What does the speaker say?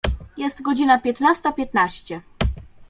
Jest godzina piętnasta piętnaście.